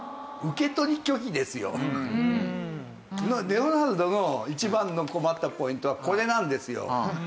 レオナルドの一番の困ったポイントはこれなんですよ。